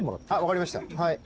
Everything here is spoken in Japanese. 分かりましたはい。